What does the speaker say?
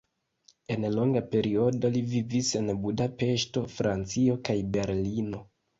En longa periodo li vivis en Budapeŝto, Francio kaj Berlino.